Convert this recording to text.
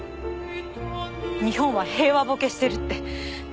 日本は平和ボケしてるって。